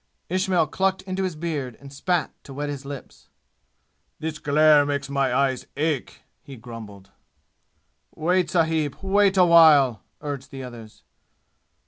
Ismail clucked into his beard and spat to wet his lips. "This glare makes my eyes ache!" he grumbled. "Wait, sahib! Wait a while!" urged the others.